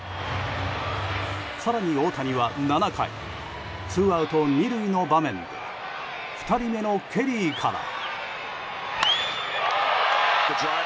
更に大谷は７回、ツーアウト２塁の場面で２人目のケリーから。